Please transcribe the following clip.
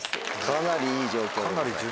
かなりいい状況です。